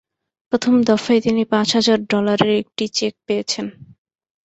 প্রথম দফায় তিনি পাঁচ হাজার ডলারের একটি চেক পেয়েছেন।